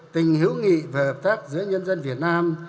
tình hữu nghị và hợp tác giữa nhân dân việt nam